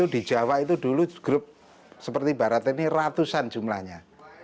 di jawa dulu grup seperti barata ini ratusan jumlahnya